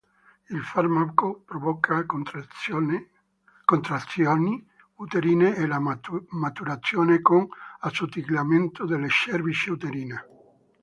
Il farmaco provoca contrazioni uterine e la maturazione con assottigliamento della cervice uterina.